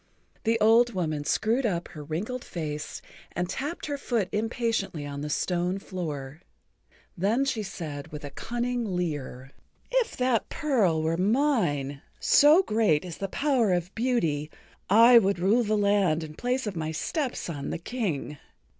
The old woman screwed up her wrinkled face and tapped her foot impatiently on the stone floor. Then she said with a cunning leer: "If that pearl were mine—so great is the power of beauty—I would rule the[Pg 57] land in place of my step son the King.